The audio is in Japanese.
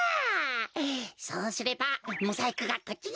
そうすればモザイクがこっちにくるってか！